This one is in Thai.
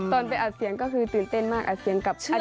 ตอนไปอาจารย์เสียงก็คือตื่นเต้นมากอาจารย์เสียงกับอาจารย์ขวัด